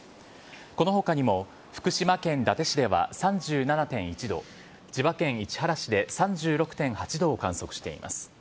このほかにも福島県伊達市では、３７．１度、千葉県市原市で３６．８度を観測しています。